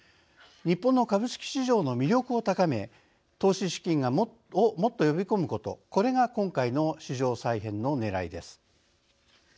日本の株式市場の魅力を高め投資資金をもっと呼び込むことこれが今回の市場再編のねらいです。